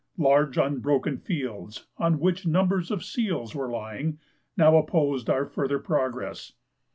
Large unbroken fields, on which numbers of seals were lying, now opposed our further progress.